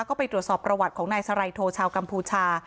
ก็ไปตรวจสอบประวัติของนายสไรโทชาวกัมพูชา